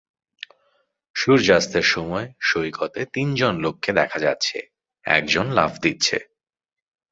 সূর্যাস্তের সময় সৈকতে তিনজন লোককে দেখা যাচ্ছে, একজন লাফ দিচ্ছে।